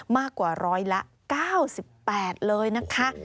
มากกว่า๑๙๘เลยนะคะ